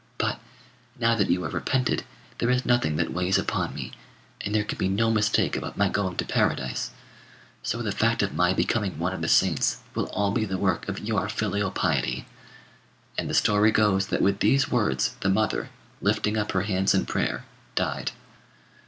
But, now that you have repented, there is nothing that weighs upon me, and there can be no mistake about my going to paradise. So the fact of my becoming one of the saints will all be the work of your filial piety." And the story goes, that with these words the mother, lifting up her hands in prayer, died.